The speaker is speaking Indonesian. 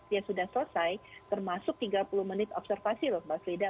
ya sudah selesai termasuk tiga puluh menit observasi loh mbak frida